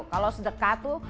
kalo sedekah tuh